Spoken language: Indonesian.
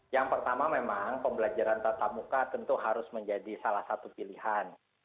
yang pertama memang pembelajaran tatap muka tentu harus menjadi salah satu pilihan